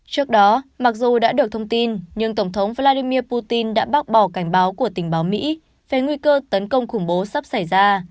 trước đó mặc dù đã được thông tin nhưng tổng thống vladimir putin đã bác bỏ cảnh báo của tình báo mỹ về nguy cơ tấn công khủng bố sắp xảy ra